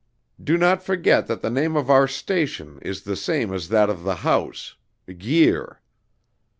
Do not forget that the name of our station is the same as that of the house Guir.